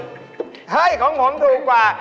ให้ของผมถูกกว่า